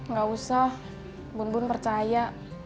nggak usah bun bun percaya